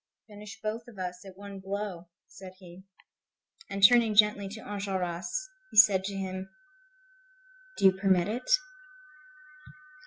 "Finish both of us at one blow," said he. And turning gently to Enjolras, he said to him: "Do you permit it?"